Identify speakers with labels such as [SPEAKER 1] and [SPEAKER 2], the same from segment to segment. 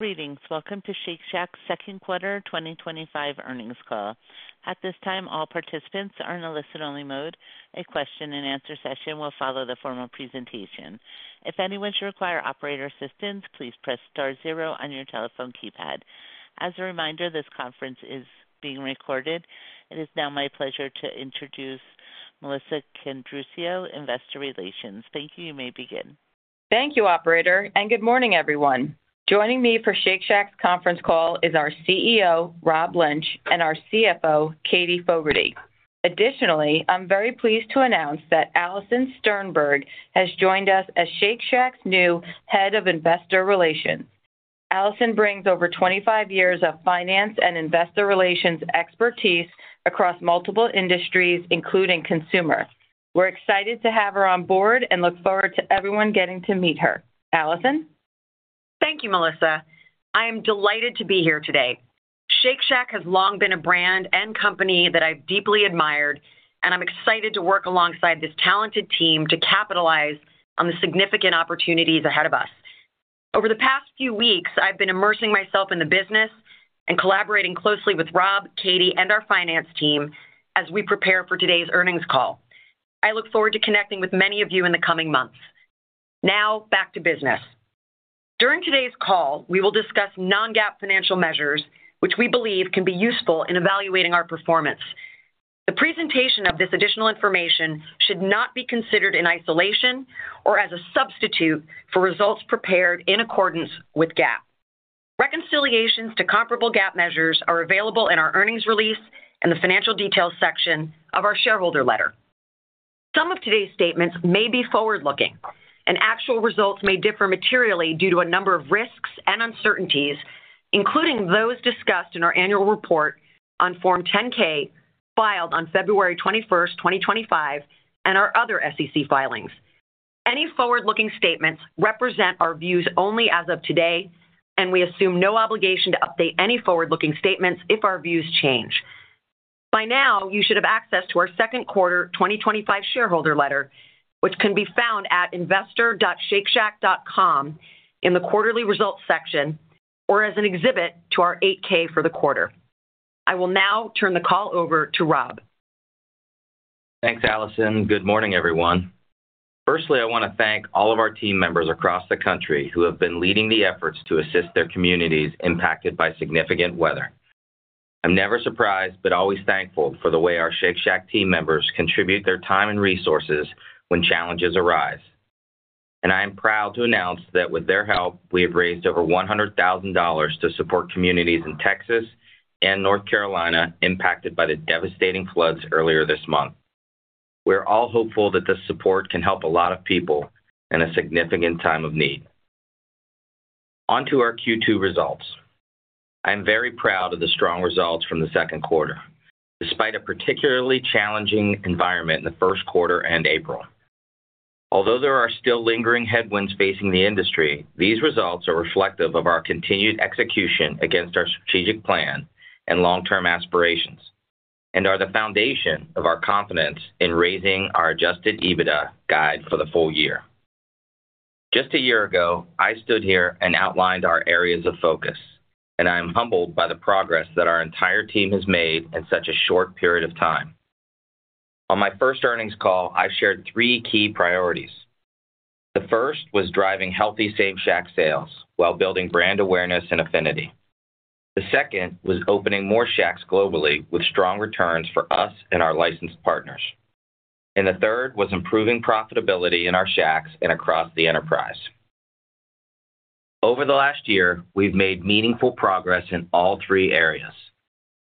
[SPEAKER 1] Greetings. Welcome to Shake Shack's Second Quarter twenty twenty five Earnings Call. At this time, all participants are in a listen only mode. A question and answer session will follow the formal presentation. As a reminder, this conference is being recorded. It is now my pleasure to introduce Melissa Candrucio, Investor Relations. Thank you. You may begin.
[SPEAKER 2] Thank you operator and good morning everyone. Joining me for Shake Shack's conference call is our CEO, Rob Lynch and our CFO, Katie Fogarty. Additionally, I'm very pleased to announce that Allison Sternberg has joined us as Shake Shack's new head of investor relations. Allison brings over twenty five years of finance and investor relations expertise across multiple industries including consumer. We're excited to have her on board and look forward to everyone getting to meet her. Allison? Thank you Melissa. I am delighted to be here today. Shake Shack has long been a brand and company that I deeply admired. And I'm excited to work alongside this talented team to capitalize on the significant opportunities ahead of us. Over the past few weeks I've been immersing myself in the business and collaborating closely with Rob, Katie, and our finance team as we prepare for today's earnings call. I look forward to connecting with many of you in the coming months. Now back to business. During today's call we will discuss non GAAP financial measures which we believe can be useful in evaluating our performance. The presentation of this additional information should not be considered in isolation or as a substitute for results prepared in accordance with GAAP. Reconciliations to comparable GAAP measures are available in our earnings release and the financial details section of our shareholder letter. Some of today's statements may be forward looking, and actual results may differ materially due to a number of risks and uncertainties, including those discussed in our annual report on Form 10 ks filed on 02/21/2025, and our other SEC filings. Any forward looking statements represent our views only as of today, and we assume no obligation to update any forward looking statements if our views change. By now, you should have access to our second quarter twenty twenty five shareholder letter, which can be found at investor.shakeshack.com in the quarterly results section or as an exhibit to our eight ks for the quarter. I will now turn the call over to Rob.
[SPEAKER 3] Thanks, Allison. Good morning, everyone. Firstly, I wanna thank all of our team members across the country who have been leading the efforts to assist their communities impacted by significant weather. I'm never surprised, but always thankful for the way our Shake Shack team members contribute their time and resources when challenges arise. And I am proud to announce that with their help, we have raised over $100,000 to support communities in Texas and North Carolina impacted by the devastating floods earlier this month. We're all hopeful that the support can help a lot of people in a significant time of need. Onto our Q2 results. I'm very proud of the strong results from the second quarter. Despite a particularly challenging environment in the first quarter and April. Although there are still lingering headwinds facing the industry, these results are reflective of our continued execution against our strategic plan and long term aspirations and are the foundation of our confidence in raising our adjusted EBITDA guide for the full year. Just a year ago, I stood here and outlined our areas of focus and I'm humbled by the progress that our entire team has made in such a short period of time. On my first earnings call, I shared three key priorities. The first was driving healthy same Shack sales while building brand awareness and affinity. The second was opening more Shacks globally with strong returns for us and our licensed partners. And the third was improving profitability in our Shacks and across the enterprise. Over the last year, we've made meaningful progress in all three areas.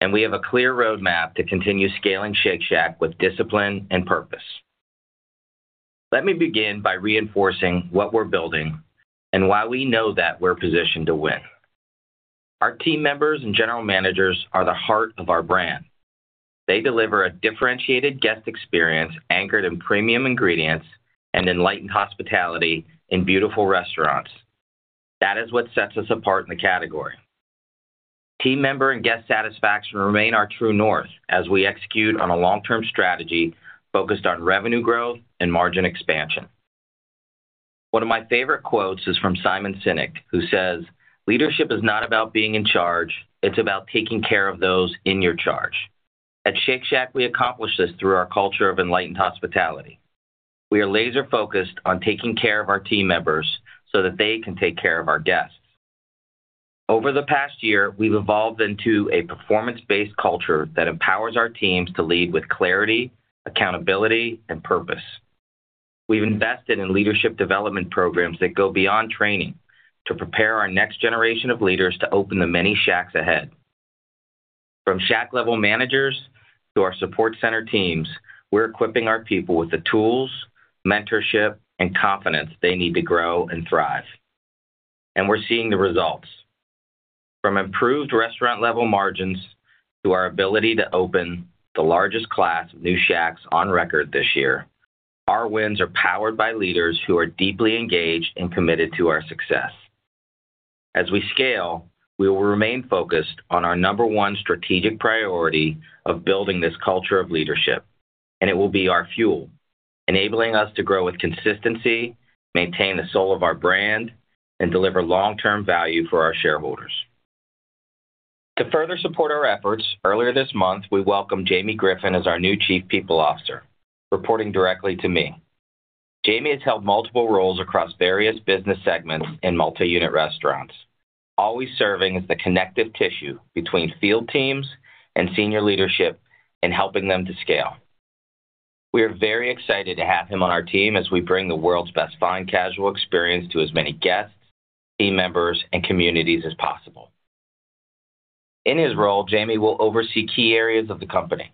[SPEAKER 3] And we have a clear roadmap to continue scaling Shake Shack with discipline and purpose. Let me begin by reinforcing what we're building and why we know that we're positioned to win. Our team members and general managers are the heart of our brand. They deliver a differentiated guest experience anchored in premium ingredients and enlightened hospitality in beautiful restaurants. That is what sets us apart in the category. Team member and guest satisfaction remain our true north as we execute on a long term strategy focused on revenue growth and margin expansion. One of my favorite quotes is from Simon Sinek who says, leadership is not about being in charge, it's about taking care of those in your charge. At Shake Shack we accomplish this through our culture of enlightened hospitality. We are laser focused on taking care of our team members so that they can take care of our guests. Over the past year, we've evolved into a performance based culture that empowers our teams to lead with clarity, accountability, and purpose. We've invested in leadership development programs that go beyond training to prepare our next generation of leaders to open the many Shacks ahead. From Shack level managers to our support center teams, we're equipping our people with the tools, mentorship, and confidence they need to grow and thrive. And we're seeing the results. From improved restaurant level margins to our ability to open the largest class of new Shacks on record this year. Our wins are powered by leaders who are deeply engaged and committed to our success. As we scale, we will remain focused on our number one strategic priority of building this culture of leadership and it will be our fuel enabling us to grow with consistency, maintain the soul of our brand, and deliver long term value for our shareholders. To further support our efforts, earlier this month, we welcome Jamie Griffin as our new chief people officer, reporting directly to me. Jamie has held multiple roles across various business segments and multi unit restaurants. Always serving as the connective tissue between field teams and senior leadership and helping them to scale. We are very excited to have him on our team as we bring the world's best fine casual experience to as many guests, team members, and communities as possible. In his role, Jamie will oversee key areas of the company,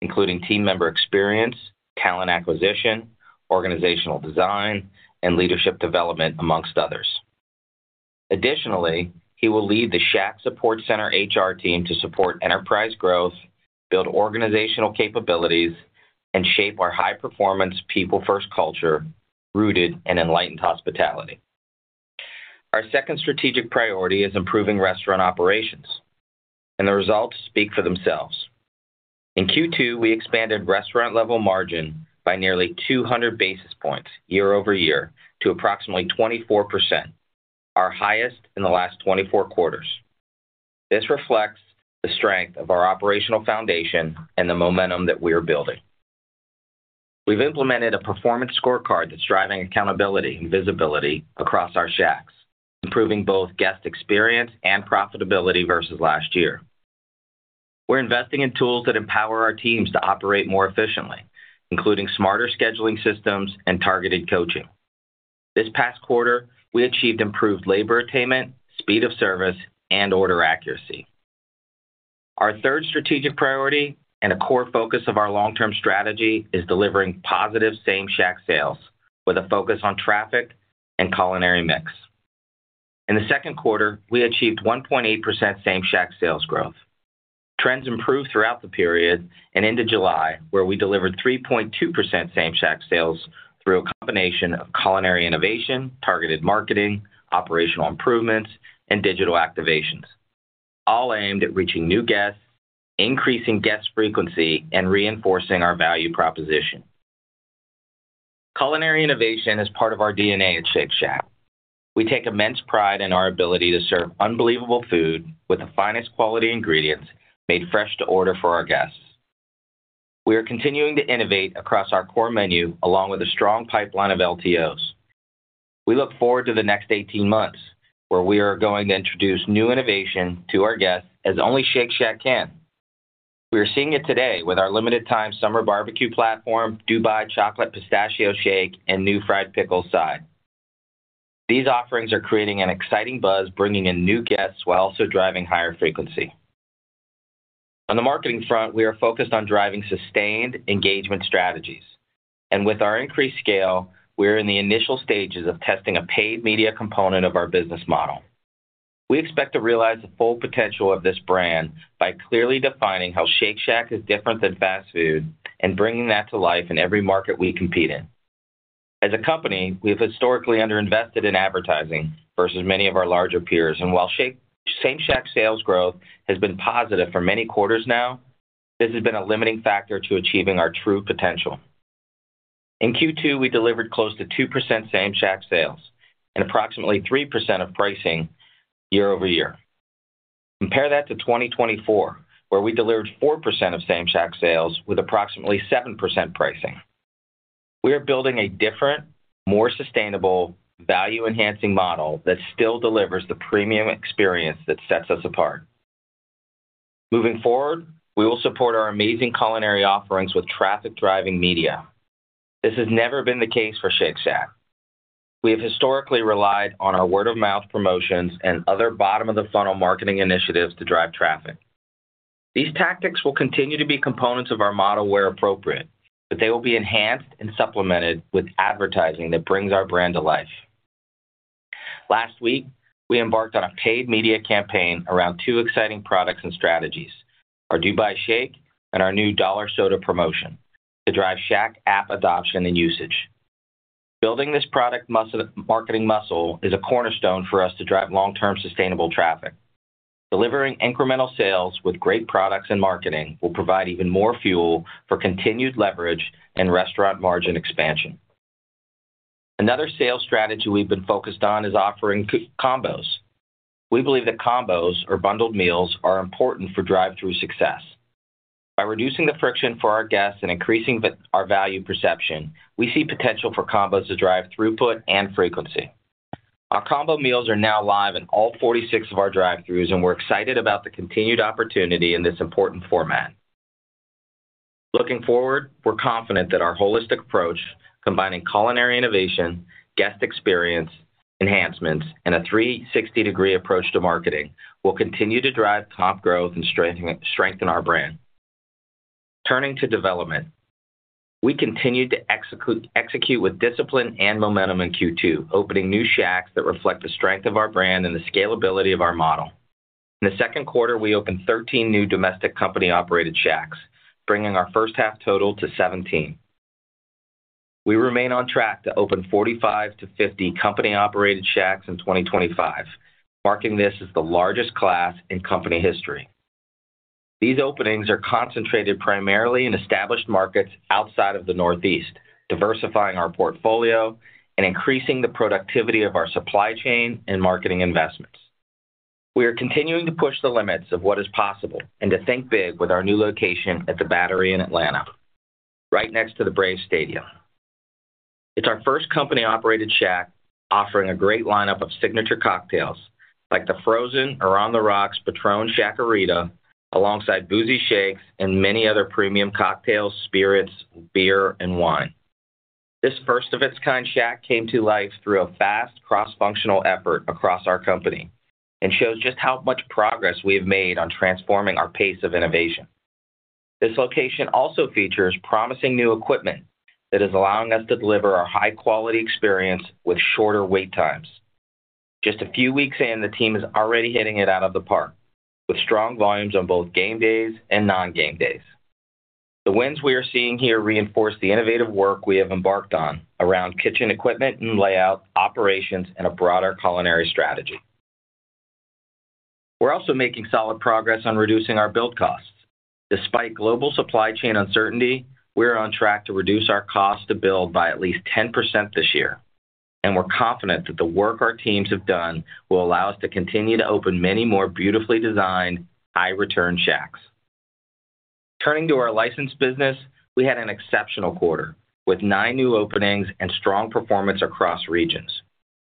[SPEAKER 3] including team member experience, talent acquisition, organizational design, and leadership development amongst others. Additionally, he will lead the Shack support center HR team to support enterprise growth, build organizational capabilities, and shape our high performance people first culture rooted in enlightened hospitality. Our second strategic priority is improving restaurant operations and the results speak for themselves. In Q2, we expanded restaurant level margin by nearly 200 basis points year over year to approximately 24, our highest in the last twenty four quarters. This reflects the strength of our operational foundation and the momentum that we are building. We've implemented a performance scorecard that's driving accountability and visibility across our Shacks, improving both guest experience and profitability versus last year. We're investing in tools that empower our teams to operate more efficiently, including smarter scheduling systems and targeted coaching. This past quarter, we achieved improved labor attainment, speed of service and order accuracy. Our third strategic priority and a core focus of our long term strategy is delivering positive same Shack sales with a focus on traffic and culinary mix. In the second quarter, we achieved 1.8% same Shack sales growth. Trends improved throughout the period and into July where we delivered 3.2% same Shack sales through a combination of culinary innovation, targeted marketing, operational improvements, and digital activations. All aimed at reaching new guests, increasing guest frequency, and reinforcing our value proposition. Culinary innovation is part of our DNA at Shake Shack. We take immense pride in our ability to serve unbelievable food with the finest quality ingredients made fresh to order for our guests. We are continuing to innovate across our core menu along with a strong pipeline of LTOs. We look forward to the next eighteen months where we are going to introduce new innovation to our guests as only Shake Shack can. We're seeing it today with our limited time summer barbecue platform, Dubai chocolate pistachio shake, and new fried pickle side. These offerings are creating an exciting buzz bringing in new guests while also driving higher frequency. On the marketing front, we are focused on driving sustained engagement strategies. And with our increased scale, we're in the initial stages of testing a paid media component of our business model. We expect to realize the full potential of this brand by clearly defining how Shake Shack is different than fast food and bringing that to life in every market we compete in. As a company, we've historically under invested in advertising versus many of our larger peers. And while Shake same Shack sales growth has been positive for many quarters now, this has been a limiting factor to achieving our true potential. In q two, we delivered close to 2% same Shack sales and approximately 3% of pricing year over year. Compare that to 2024 where we delivered 4% of same Shack sales with approximately 7% pricing. We are building a different, more sustainable, value enhancing model that still delivers the premium experience that sets us apart. Moving forward, we will support our amazing culinary offerings with traffic driving media. This has never been the case for Shake Shack. We have historically relied on our word-of-mouth promotions and other bottom of the funnel marketing initiatives to drive traffic. These tactics will continue to be components of our model where appropriate, but they will be enhanced and supplemented with advertising that brings our brand to life. Last week, we embarked on a paid media campaign around two exciting products and strategies. Our Dubai shake and our new dollar soda promotion to drive Shack app adoption and usage. Building this product muscle marketing muscle is a cornerstone for us to drive long term sustainable traffic. Delivering incremental sales with great products and marketing will provide even more fuel for continued leverage and restaurant margin expansion. Another sales strategy we've been focused on is offering combos. We believe that combos or bundled meals are important for drive through success. By reducing the friction for our guests and increasing that our value perception, we see potential for combos to drive throughput and frequency. Our combo meals are now live in all 46 of our drive throughs and we're excited about the continued opportunity in this important format. Looking forward, we're confident that our holistic approach combining culinary innovation, guest experience, enhancements and a three sixty degree approach to marketing will continue to drive comp growth and strengthen our brand. Turning to development, we continue to execute with discipline and momentum in Q2, opening new Shacks that reflect the strength of our brand and the scalability of our model. In the second quarter, we opened 13 new domestic company operated Shacks, bringing our first half total to 17. We remain on track to open 45 to 50 company operated Shacks in 2025, marking this as the largest class in company history. These openings are concentrated primarily in established markets outside of the Northeast, diversifying our portfolio and increasing the productivity of our supply chain and marketing investments. We are continuing to push the limits of what is possible and to think big with our new location at The Battery in Atlanta, right next to the Braves Stadium. It's our first company operated Shack offering a great lineup of signature cocktails like the Frozen Around the Rocks Patron Shaquerita alongside boozy shakes and many other premium cocktails, spirits, beer, and wine. This first of its kind Shack came to life through a fast cross functional effort across our company and shows just how much progress we have made on transforming our pace of innovation. This location also features promising new equipment that is allowing us to deliver our high quality experience with shorter wait times. Just a few weeks in, the team is already hitting it out of the park with strong volumes on both game days and non game days. The wins we are seeing here reinforce the innovative work we have embarked on around kitchen equipment and layout operations and a broader culinary strategy. We're also making solid progress on reducing our build costs. Despite global supply chain uncertainty, we're on track to reduce our cost to build by at least 10% this year. And we're confident that the work our teams have done will allow us to continue to open many more beautifully designed high return Shacks. Turning to our license business, we had an exceptional quarter with nine new openings and strong performance across regions.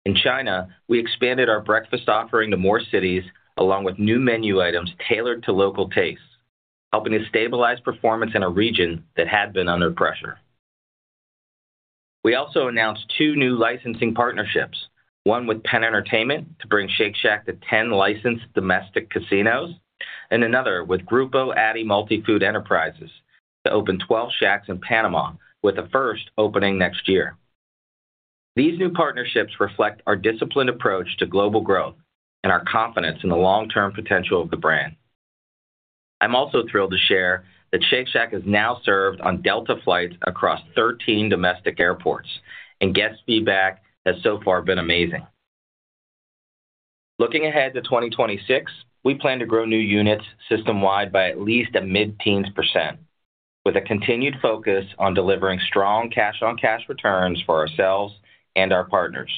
[SPEAKER 3] In China, we expanded our breakfast offering to more cities along with new menu items tailored to local tastes, helping to stabilize performance in a region that had been under pressure. We also announced two new licensing partnerships. One with Penn Entertainment to bring Shake Shack to 10 licensed domestic casinos and another with Grupo Addy Multi Food Enterprises to open 12 Shacks in Panama with the first opening next year. These new partnerships reflect our disciplined approach to global growth and our confidence in the long term potential of the brand. I'm also thrilled to share that Shake Shack is now served on Delta flights across 13 domestic airports and guest feedback has so far been amazing. Looking ahead to 2026, we plan to grow new units system wide by at least a mid teens percent with a continued focus on delivering strong cash on cash returns for ourselves and our partners.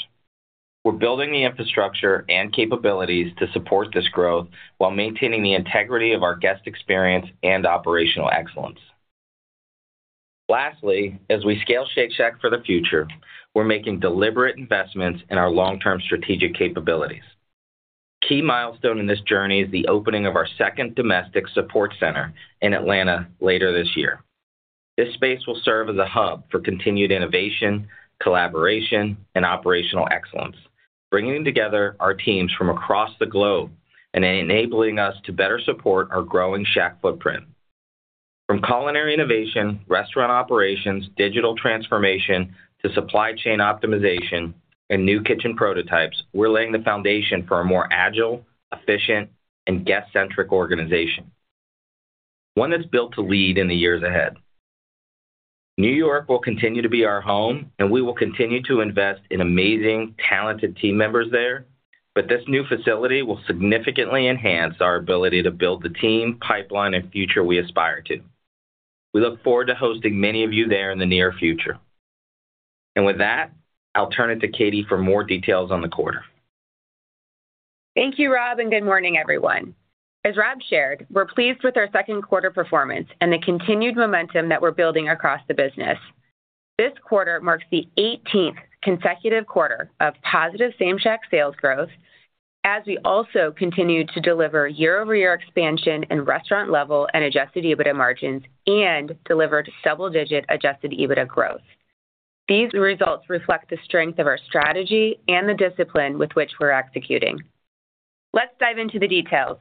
[SPEAKER 3] We're building the infrastructure and capabilities to support this growth while maintaining the integrity of our guest experience and operational excellence. Lastly, as we scale Shake Shack for the future, we're making deliberate investments in our long term strategic capabilities. Key milestone in this journey is the opening of our second domestic support center in Atlanta later this year. This space will serve as a hub for continued innovation, collaboration, and operational excellence, bringing together our teams from across the globe and enabling us to better support our growing Shack footprint. From culinary innovation, restaurant operations, digital transformation, to supply chain optimization, and new kitchen prototypes, we're laying the foundation for a more agile, efficient, and guest centric organization. One that's built to lead in the years ahead. New York will continue to be our home and we will continue to invest in amazing talented team members there, but this new facility will significantly enhance our ability to build the team pipeline and future we aspire to. We look forward to hosting many of you there in the near future. And with that, I'll turn it to Katie for more details on the quarter.
[SPEAKER 4] Thank you Rob and good morning everyone. As Rob shared, we're pleased with our second quarter performance and the continued momentum that we're building across the business. This quarter marks the eighteenth consecutive quarter of positive same Shack sales growth as we also continued to deliver year over year expansion in restaurant level and adjusted EBITDA margins and delivered double digit adjusted EBITDA growth. These results reflect the strength of our strategy and the discipline with which we're executing. Let's dive into the details.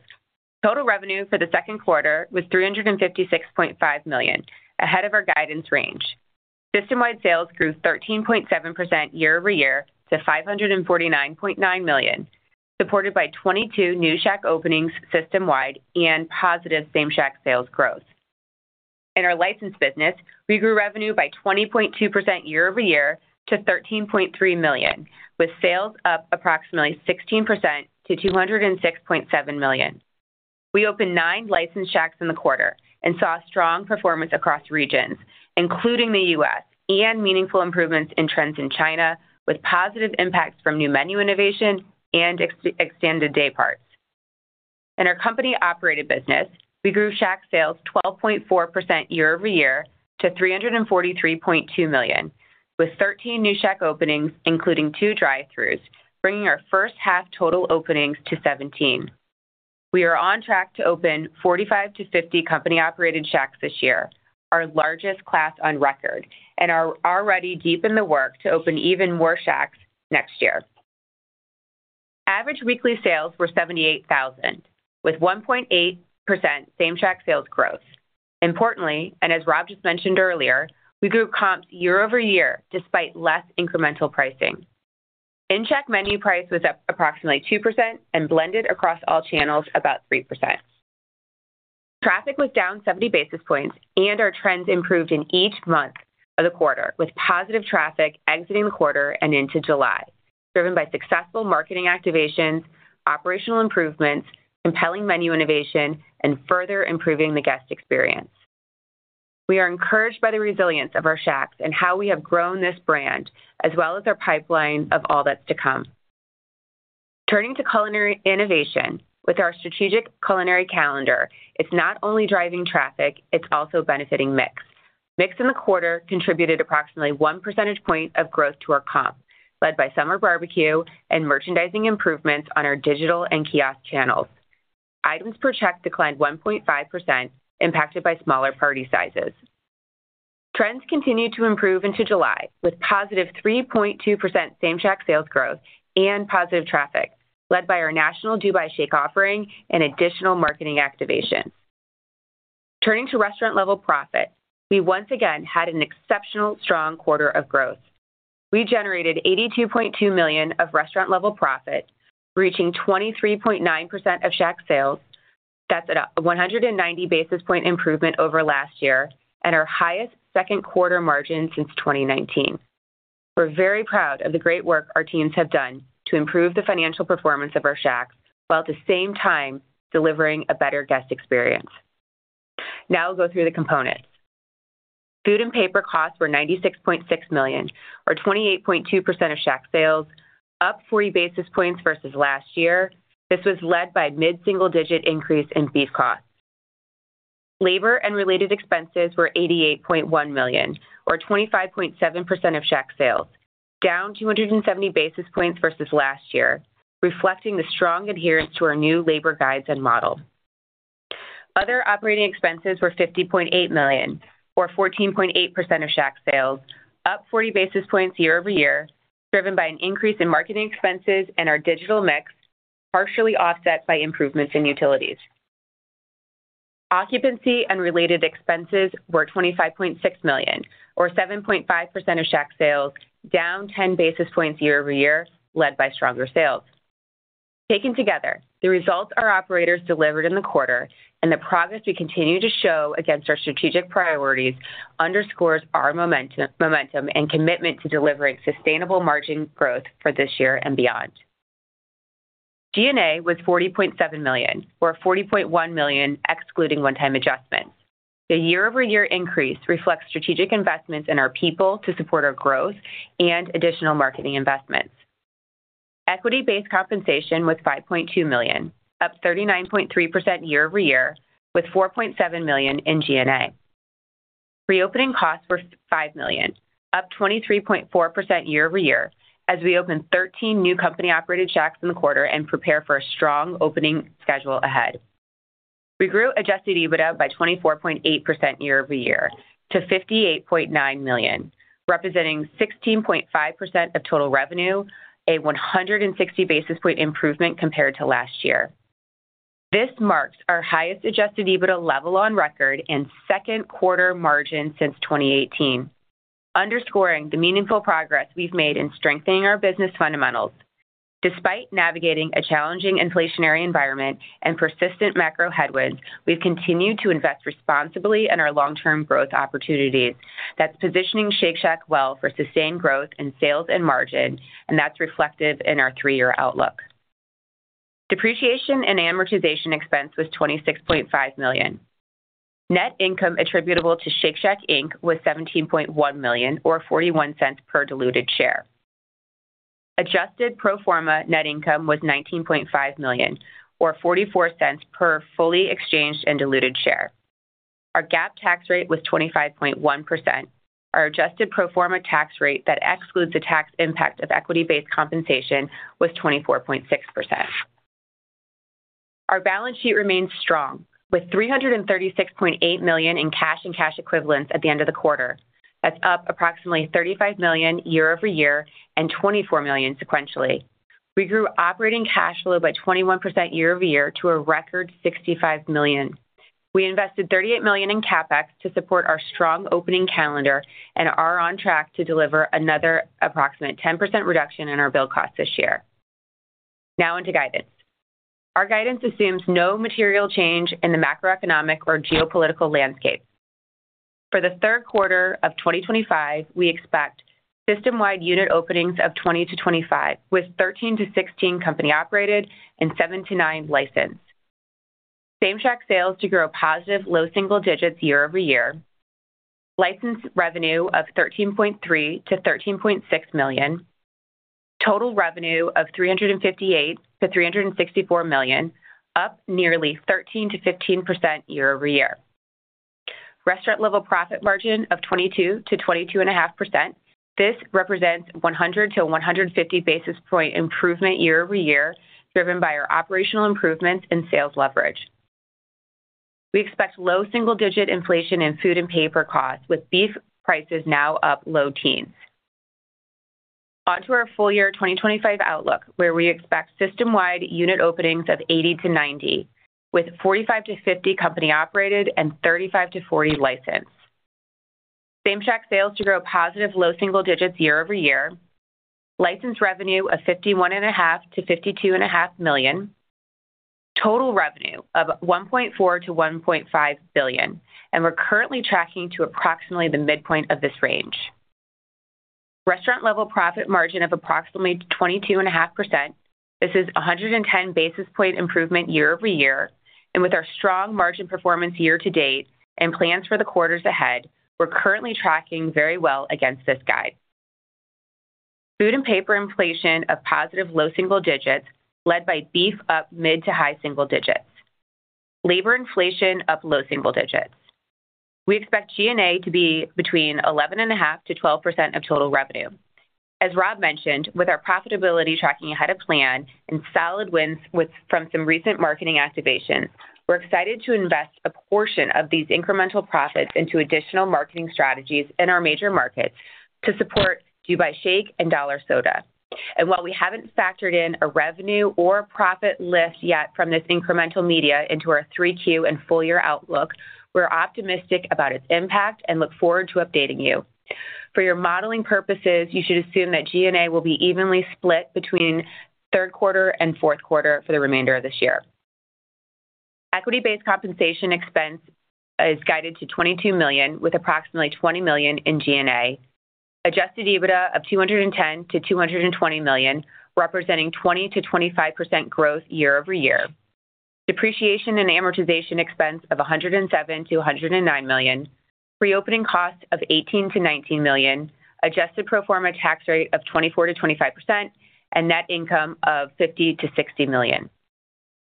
[SPEAKER 4] Total revenue for the second quarter was 356,500,000.0, ahead of our guidance range. System wide sales grew 13.7% year over year to 549,900,000.0, supported by 22 new Shack openings system wide and positive same Shack sales growth. In our license business, we grew revenue by 20.2% year over year to 13,300,000.0 with sales up approximately 16% to 206,700,000.0. We opened nine licensed Shacks in the quarter and saw strong performance across regions, including The US and meaningful improvements in trends in China with positive impacts from new menu innovation and extended dayparts. In our company operated business, we grew Shack sales 12.4% year over year to 343,200,000.0 with 13 new Shack openings including two drive throughs, bringing our first half total openings to 17. We are on track to open 45 to 50 company operated shacks this year, our largest class on record, and are already deep in the work to open even more shacks next year. Average weekly sales were 78,000 with 1.8% same Shack sales growth. Importantly, and as Rob just mentioned earlier, we grew comps year over year despite less incremental pricing. In check menu price was up approximately 2% and blended across all channels about 3%. Traffic was down 70 basis points and our trends improved in each month of the quarter with positive traffic exiting the quarter and into July, driven by successful marketing activations, operational improvements, compelling menu innovation, and further improving the guest experience. We are encouraged by the resilience of our Shacks and how we have grown this brand as well as our pipeline of all that's to come. Turning to culinary innovation. With our strategic culinary calendar, it's not only driving traffic, it's also benefiting mix. Mix in the quarter contributed approximately one percentage point of growth to our comp, led by summer barbecue and merchandising improvements on our digital and kiosk channels. Items per check declined 1.5%, impacted by smaller party sizes. Trends continued to improve into July with positive 3.2% same check sales growth and positive traffic led by our national Dubai Shake offering and additional marketing activation. Turning to restaurant level profit. We once again had an exceptional strong quarter of growth. We generated 82,200,000.0 of restaurant level profit reaching 23.9% of Shack sales. That's a 190 basis point improvement over last year and our highest second quarter margin since 2019. We're very proud of the great work our teams have done to improve the financial performance of our Shacks while at the same time delivering a better guest experience. Now we'll go through the components. Food and paper costs were 96,600,000.0 or 28.2% of Shack sales, up 40 basis points versus last year. This was led by mid single digit increase in beef cost. Labor and related expenses were 88,100,000.0 or 25.7 percent of Shack sales, down 270 basis points versus last year, reflecting the strong adherence to our new labor guides and model. Other operating expenses were 50,800,000.0 or 14.8% of Shack sales, up 40 basis points year over year driven by an increase in marketing expenses and our digital mix partially offset by improvements in utilities. Occupancy and related expenses were 25,600,000.0 or 7.5% of Shack sales, down 10 basis points year over year led by stronger sales. Taken together, the results our operators delivered in the quarter and the progress we continue to show against our strategic priorities underscores our momentum and commitment to delivering sustainable margin growth for this year and beyond. G and A was $40,700,000 or $40,100,000 excluding one time adjustments. The year over year increase reflects strategic investments in our people to support our growth and additional marketing investments. Equity based compensation was $5,200,000 up 39.3% year over year with $4,700,000 in G and A. Reopening costs were $5,000,000 up 23.4% year over year as we opened 13 new company operated Shacks in the quarter and prepare for a strong opening schedule ahead. We grew adjusted EBITDA by 24.8% year over year to 58,900,000 representing 16.5% of total revenue, a 160 basis point improvement compared to last year. This marks our highest adjusted EBITDA level on record and second quarter margin since 2018. Underscoring the meaningful progress we've made in strengthening our business fundamentals. Despite navigating a challenging inflationary environment and persistent macro headwinds, we've continued to invest responsibly in our long term growth opportunities that's positioning Shake Shack well for sustained growth in sales and margin and that's reflected in our three year outlook. Depreciation and amortization expense was 26,500,000.0 Net income attributable to Shake Shack Inc. Was $17,100,000 or $0.41 per diluted share. Adjusted pro form a net income was $19,500,000 or $0.44 per fully exchanged and diluted share. Our GAAP tax rate was 25.1. Our adjusted pro form a tax rate that excludes the tax impact of equity based compensation was 24.6%. Our balance sheet remains strong with $336,800,000 in cash and cash equivalents at the end of the quarter. That's up approximately $35,000,000 year over year and $24,000,000 sequentially. We grew operating cash flow by 21% year over year to a record 65,000,000 We invested 38,000,000 in CapEx to support our strong opening calendar and are on track to deliver another approximate 10% reduction in our bill cost this year. Now on to guidance. Our guidance assumes no material change in the macroeconomic or geopolitical landscape. For the 2025, we expect system wide unit openings of 20 to 25 with 13 to 16 company operated and seven to nine licensed. Same Shack sales to grow positive low single digits year over year. License revenue of 13.3 to 13,600,000.0. Total revenue of $3.58 to $364,000,000, up nearly 13 to 15 year over year. Restaurant level profit margin of 22 to 22 and a half percent. This represents 100 to 150 basis point improvement year over year driven by our operational improvements in sales leverage. We expect low single digit inflation in food and paper costs with beef prices now up low teens. Onto our full year 2025 outlook where we expect system wide unit openings of 80 to 90 with 45 to 50 company operated and 35 to 40 licensed. Same Shack sales to grow positive low single digits year over year. License revenue of 51 and a half to 52 and a half million. Total revenue of 1.4 to 1,500,000,000.0. And we're currently tracking to approximately the midpoint of this range. Restaurant level profit margin of approximately 22 and a half percent. This is a 110 basis point improvement year over year. And with our strong margin performance year to date and plans for the quarters ahead, we're currently tracking very well against this guide. Food and paper inflation of positive low single digits led by beef up mid to high single digits. Labor inflation up low single digits. We expect G and A to be between 11.5% to 12% of total revenue. As Rob mentioned, with our profitability tracking ahead of plan and solid wins with from some recent marketing activation, we're excited to invest a portion of these incremental profits into additional marketing strategies in our major markets to support Dubai Shake and Dollar Soda. And while we haven't factored in a revenue or profit lift yet from this incremental media into our 3Q and full year outlook, we are optimistic about its impact and look forward to updating you. For your modeling purposes, you should assume that G and A will be evenly split between third quarter and fourth quarter for the remainder of this year. Equity based compensation expense is guided to $22,000,000 with approximately 20,000,000 in G and A. Adjusted EBITDA of $210,000,000 to $220,000,000 representing 20% to 25% growth year over year. Depreciation and amortization expense of 107 to 109,000,000. Pre opening cost of 18 to 19,000,000. Adjusted pro form a tax rate of 24 to 25%. And net income of 50 to 60,000,000.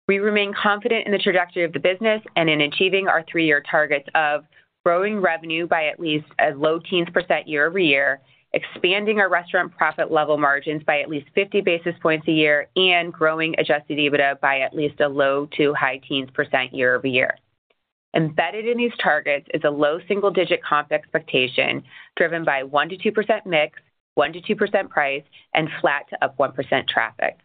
[SPEAKER 4] We remain confident in the trajectory of the business and in achieving our three year targets of growing revenue by at least a low teens percent year over year, expanding our restaurant profit level margins by at least 50 basis points a year, and growing adjusted EBITDA by at least a low to high teens percent year over year. Embedded in these targets is a low single digit comp expectation driven by one to 2% mix, one to 2% price, and flat to up 1% traffic.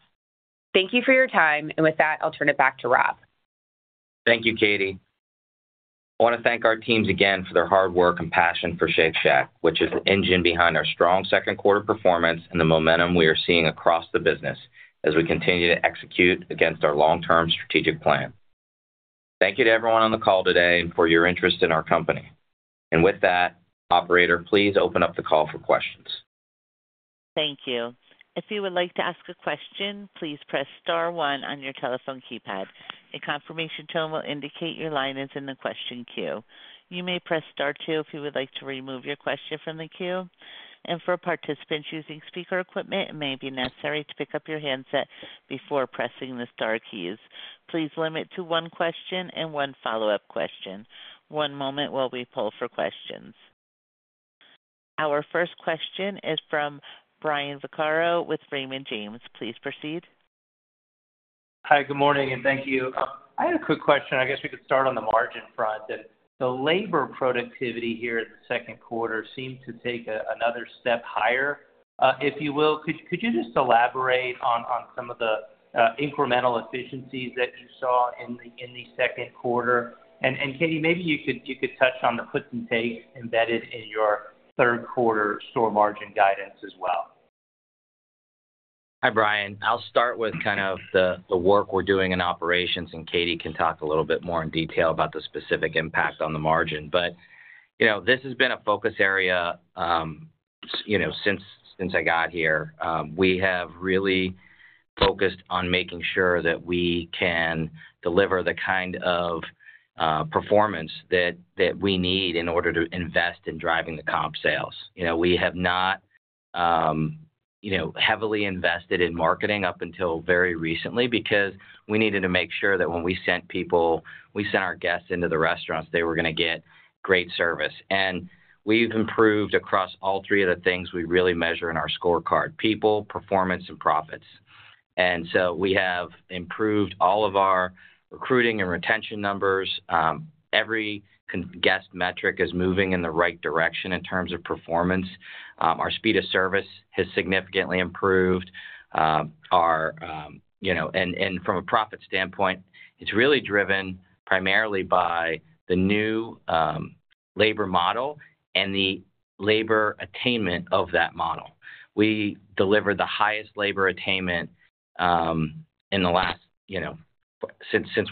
[SPEAKER 4] Thank you for your time. And with that, I'll turn it back to Rob.
[SPEAKER 3] Thank you, Katie. I want to thank our teams again for their hard work and passion for Shake Shack, which is the engine behind our strong second quarter performance and the momentum we are seeing across the business as we continue to execute against our long term strategic plan. Thank you to everyone on the call today and for your interest in our company. And with that, operator, please open up the call for questions.
[SPEAKER 1] Thank you. Our first question is from Brian Vaccaro with Raymond James. Please proceed.
[SPEAKER 5] Hi, good morning and thank you. I had a quick question. I guess we could start on the margin front. The labor productivity here in the second quarter seemed to take another step higher, if you will. Could you just elaborate on some of the incremental efficiencies that you saw in the second quarter? And Katie, maybe you could touch on the puts and takes embedded in your third quarter store margin guidance as well.
[SPEAKER 3] Hi, Brian. I'll start with kind of the work we're doing in operations, and Katie can talk a little bit more in detail about the specific impact on the margin. But this has been a focus area since I got here. We have really focused on making sure that we can deliver the kind of performance that that we need in order to invest in driving the comp sales. We have not heavily invested in marketing up until very recently because we needed to make sure that when we sent people, we sent our guests into the restaurants, they were gonna get great service. And we've improved across all three of the things we really measure in our scorecard, people, performance and profits. And so we have improved all of our recruiting and retention numbers. Every guest metric is moving in the right direction in terms of performance. Our speed of service has significantly improved. Our and from a profit standpoint, it's really driven primarily by the new labor model and the labor attainment of that model. We deliver the highest labor attainment in the last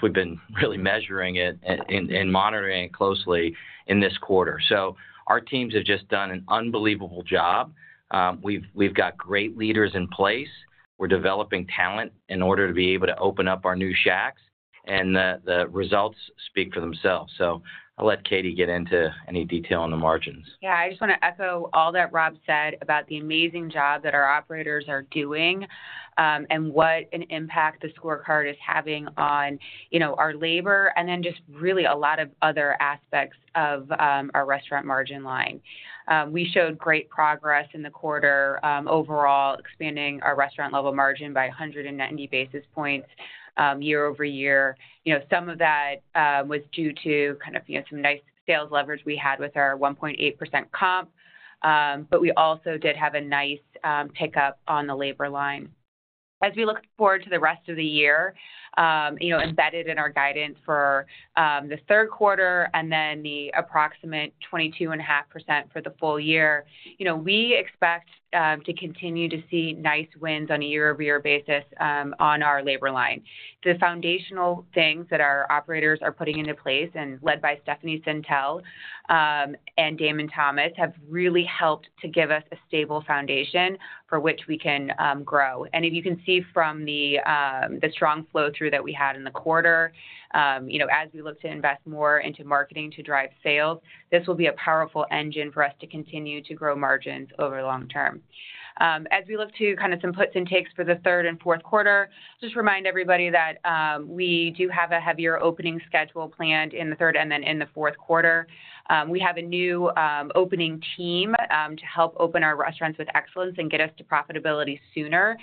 [SPEAKER 3] we've been really measuring it and monitoring closely in this quarter. So our teams have just done an unbelievable job. We've got great leaders in place. We're developing talent in order to be able to open up our new Shacks and the results speak for themselves. I'll let Katie get into any detail on the margins.
[SPEAKER 4] Yeah, I just want to echo all that Rob said about the amazing job that our operators are doing and what an impact the score card is having on our labor and then just really a lot of other aspects of our restaurant margin line. We showed great progress in the quarter overall expanding our restaurant level margin by 190 basis points year over year. You know, some of that was due to kind of some nice sales leverage we had with our 1.8% comp. But we also did have a nice pickup on the labor line. As we look forward to the rest of the year, embedded in our guidance for the third quarter and then the approximate 22.5% for the full year, we expect to continue to see nice wins on a year over year basis on our labor line. The foundational things that our operators are putting into place and led by Stephanie Sintel and Damon Thomas have really helped to give us a stable foundation which we can grow. And if you can see from the strong flow through that we had in the quarter, you know, as we look to invest more into marketing to drive sales, this will be a powerful engine for us to continue to grow margins over the long term. As we look to kind of some puts and takes for the third and fourth quarter, just remind everybody that we do have a heavier opening schedule planned in the third and then in the fourth quarter. We have a new opening team to help open our restaurants with excellence and get us profitability sooner,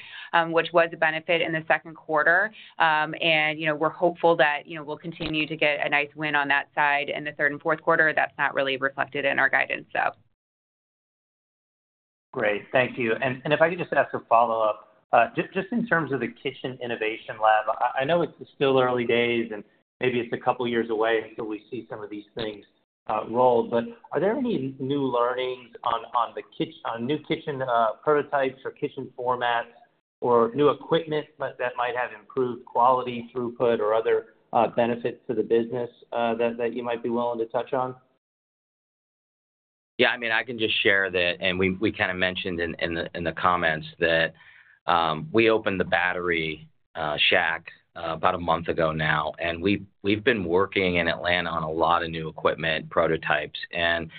[SPEAKER 4] which was a benefit in the second quarter. And, you know, we're hopeful that, you know, we'll continue to get a nice win on that side in the third and fourth quarter. That's not really reflected in our guidance.
[SPEAKER 5] Great. Thank you. And if I could just ask a follow-up. Just in terms of the kitchen innovation lab, I know it's still early days and maybe it's a couple of years away until we see some of these things roll. But are there any new learnings on on the kits on new kitchen prototypes or kitchen formats or new equipment that that might have improved quality throughput or other benefits to the business that that you might be willing to touch on?
[SPEAKER 3] Yeah. I mean, I can just share that and we kind of mentioned in comments that we opened the battery shack about a month ago now and we've been working in Atlanta on a lot of new equipment prototypes and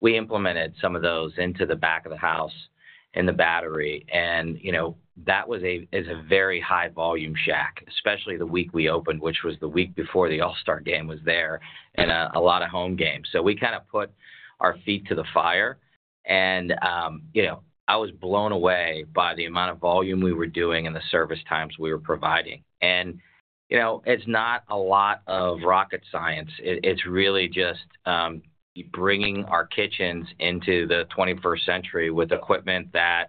[SPEAKER 3] we implemented some of those into the back of the house in the battery and that was a is a very high volume shack, especially the week we opened, which was the week before the all star game was there and a lot of home games. So we kinda put our feet to the fire and, you know, I was blown away by the amount of volume we were doing and the service times we were providing. And, you know, it's not a lot of rocket science. It it's really just bringing our kitchens into the twenty first century with equipment that,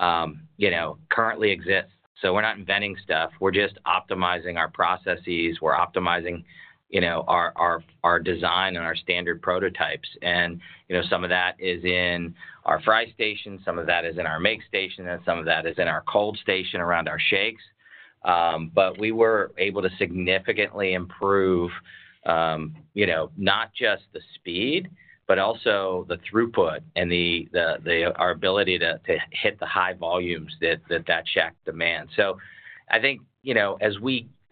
[SPEAKER 3] know, exist. So we're not inventing stuff. We're just optimizing our processes. We're optimizing, our our our design and our standard prototypes. And some of that is in our fry station, some of that is in our make station, and some of that is in our cold station around our shakes. But we were able to significantly improve not just the speed, but also the throughput and our ability to hit the high volumes that that shack demand. So I think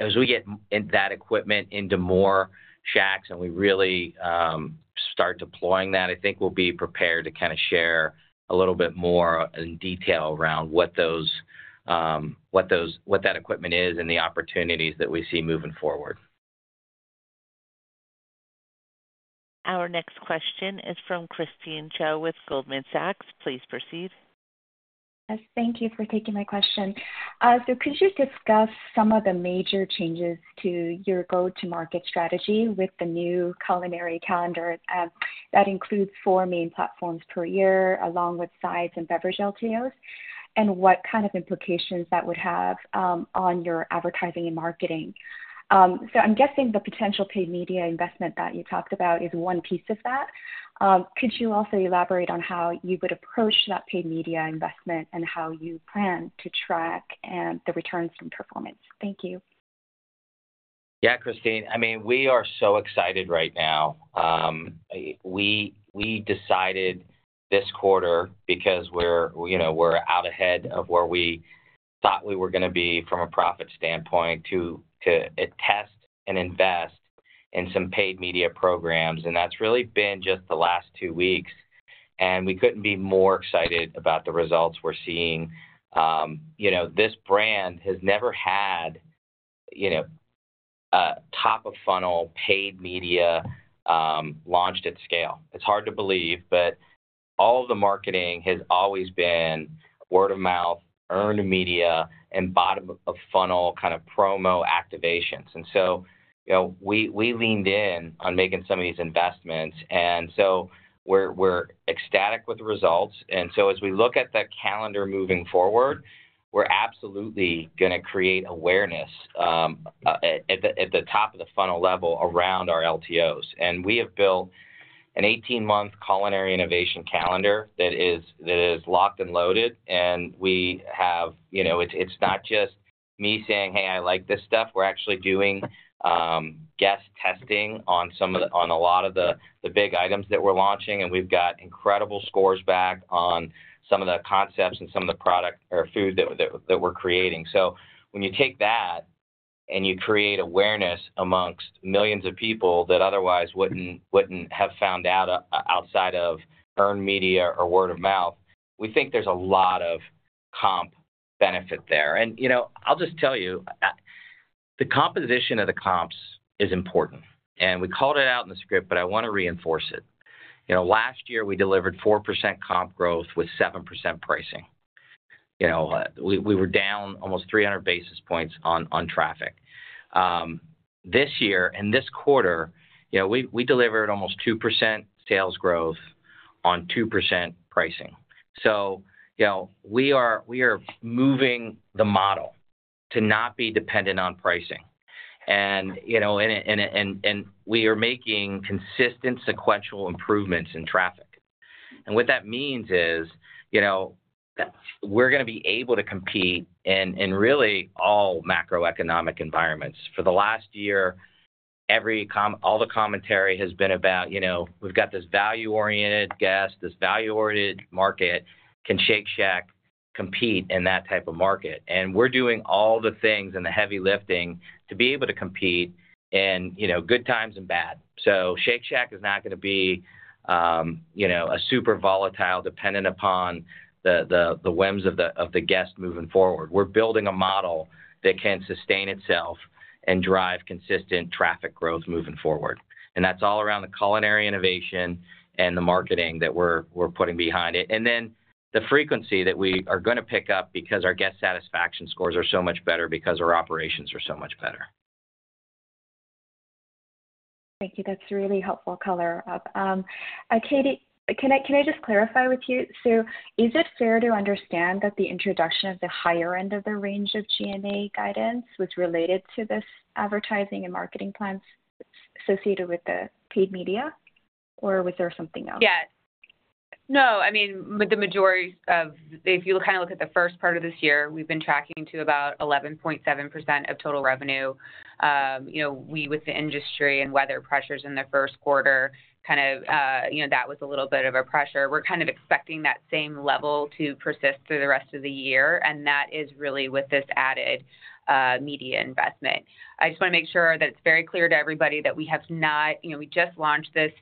[SPEAKER 3] as we get that equipment into more shacks and we really start deploying that, I think we'll be prepared to kind of share a little bit more in detail around what those what that equipment is and the opportunities that we see moving forward.
[SPEAKER 1] Our next question is from Christine Cho with Goldman Sachs. Please proceed.
[SPEAKER 6] Yes. Thank you for taking my question. So could you discuss some of the major changes to your go to market strategy with the new culinary calendar that includes four main platforms per year along with sides and beverage LTOs? And what kind of implications that would have on your advertising and marketing? So I'm guessing the potential paid media investment that you talked about is one piece of that. Could you also elaborate on how you would approach that paid media investment and how you plan to track and the returns from performance? Thank you.
[SPEAKER 3] Yeah, Christine. I mean, we are so excited right now. We we decided this quarter because we're, you know, we're out ahead of where we thought we were gonna be from a profit standpoint to to test and invest in some paid media programs and that's really been just the last two weeks and we couldn't be more excited about the results we're seeing. You know, this brand has never had, you know, top of funnel paid media launched at scale. It's hard to believe, but all the marketing has always been word-of-mouth, earned media, and bottom of funnel kind of promo activations. And so, you know, we we leaned in on making some of these investments and so we're we're ecstatic with the results. And so as we look at that calendar moving forward, we're absolutely gonna create awareness at the at the top of the funnel level around our LTOs. And we have built an eighteen month culinary innovation calendar that is that is locked and loaded. And we have you know, it's it's not just me saying, hey. I like this stuff. We're actually doing guest testing on some of the on a lot of the the big items that we're launching, and we've got incredible scores back on some of the concepts and some of the product or food that that that we're creating. So when you take that and you create awareness amongst millions of people that otherwise wouldn't wouldn't have found out outside of earned media or word-of-mouth, we think there's a lot of comp benefit there. And I'll just tell you, the composition of the comps is important. And we called it out in the script, but I wanna reinforce it. Last year we delivered 4% comp growth with 7% pricing. We were down almost 300 basis points on traffic. This year and this quarter, we delivered almost 2% sales growth on 2% pricing. So we are we are moving the model to not be dependent on pricing. And and we are making consistent sequential improvements in traffic. And what that means is that we're gonna be able to compete in in really all macroeconomic environments. For the last year, every com all the commentary has been about, you know, we've got this value oriented guest, this value oriented market, can Shake Shack compete in that type of market. And we're doing all the things in the heavy lifting to be able to compete and you know, times and bad. So Shake Shack is not gonna be, know, a super volatile dependent upon the the the whims of the of the guest moving forward. We're building a model that can sustain itself and drive consistent traffic growth moving forward. And that's all around the culinary innovation and the marketing that we're we're putting behind it. And then the frequency that we are gonna pick up because our guest satisfaction scores are so much better because our operations are so much better.
[SPEAKER 6] Thank you. That's really helpful color. Katie, can just clarify with you? So is it fair to understand that the introduction of the higher end of the range of G and A guidance was related to this advertising and marketing plans associated with the paid media? Or was there something else?
[SPEAKER 4] Yeah. No, I mean, with the majority of, if you kind of look at the first part of this year, we've been tracking to about 11.7 of total revenue. Know, we with the industry and weather pressures in the first quarter kind of that was a little bit of a pressure. We're kind of expecting that same level to persist through the rest of the year and that is really with this added media investment. I just wanna make sure that it's very clear to everybody that we have not, we just launched this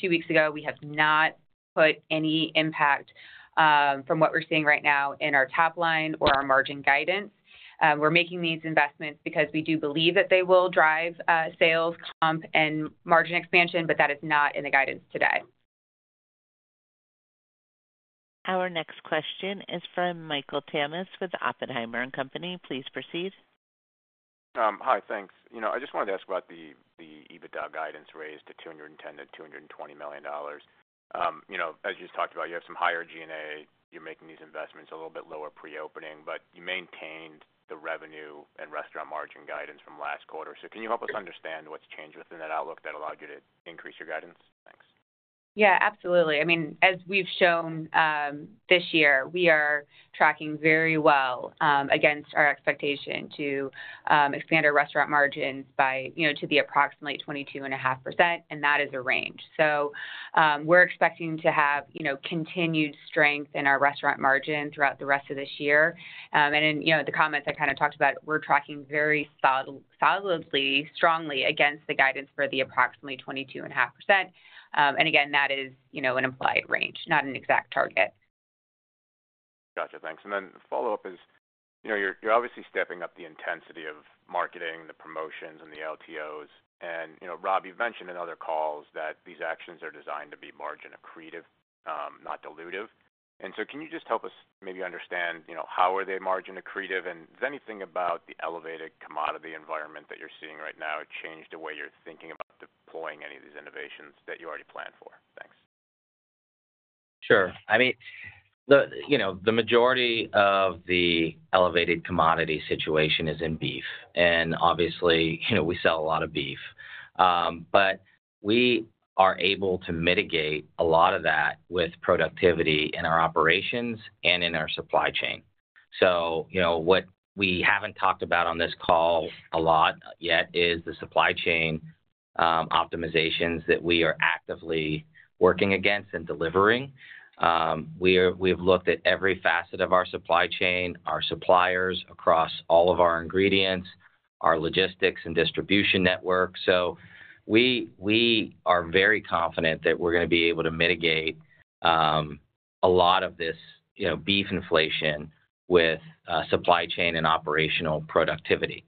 [SPEAKER 4] two weeks ago, we have not put any impact from what we're seeing right now in our top line or our margin guidance. We're making these investments because we do believe that they will drive sales comp and margin expansion, but that is not in the guidance today.
[SPEAKER 1] Our next question is from Michael Tamas with Oppenheimer and Company. Please proceed.
[SPEAKER 7] Hi, thanks. I just wanted to ask about the EBITDA guidance raised to $210,000,000 to $220,000,000 As you talked about, have some higher G and A, you're making these investments a little bit lower pre opening, but you maintained the revenue and restaurant margin guidance from last quarter. So can you help us understand what's changed within that outlook that allowed you to increase your guidance? Thanks.
[SPEAKER 4] Yeah, absolutely. I mean, as we've shown this year, we are tracking very well against our expectation to expand our restaurant margins by, you know, to be approximately 22.5% and that is a range. So, we're expecting to have continued strength in our restaurant margin throughout the rest of this year. And in the comments I kind of talked about, we're tracking very solidly strongly against the guidance for the approximately 22.5%. And again, that is an implied range, not an exact target.
[SPEAKER 7] Gotcha. Thanks. And then the follow-up is, you're obviously stepping up the intensity of marketing, the promotions, and the LTOs. And Rob, you've mentioned in other calls that these actions are designed to be margin accretive, not dilutive. And so can you just help us maybe understand how are they margin accretive? And if anything about the elevated commodity environment that you're seeing right now changed the way you're thinking about deploying any of these innovations that you already planned for? Thanks.
[SPEAKER 3] Sure. I mean, the, you know, the majority of the elevated commodity situation is in beef and obviously, you know, we sell a lot of beef. But we are able to mitigate a lot of that with productivity in our operations and in our supply chain. So, you know, what we haven't talked about on this call a lot yet is the supply chain optimizations that we are actively working against and delivering. We have looked at every facet of our supply chain, our suppliers across all of our ingredients, our logistics and distribution network. So we are very confident that we're going to be able to mitigate a lot of this beef inflation with supply chain and operational productivity.